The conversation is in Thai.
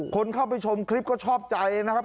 คนเข้าไปชมคลิปก็ชอบใจนะครับ